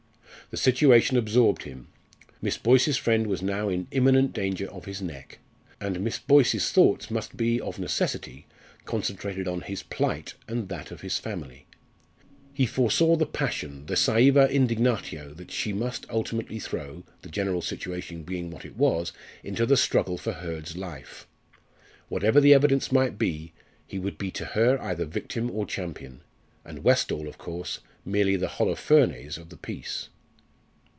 The situation absorbed him. Miss Boyce's friend was now in imminent danger of his neck, and Miss Boyce's thoughts must be of necessity concentrated upon his plight and that of his family. He foresaw the passion, the saeva indignatio, that she must ultimately throw the general situation being what it was into the struggle for Hurd's life. Whatever the evidence might be, he would be to her either victim or champion and Westall, of course, merely the Holofernes of the piece.